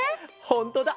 ほんとだ！